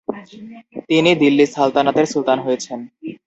তিনি দিল্লী সালতানাতের সুলতান হয়েছেন।